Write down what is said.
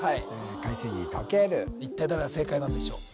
海水にとける一体どれが正解なんでしょう